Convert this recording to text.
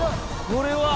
これは？